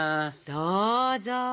どうぞ！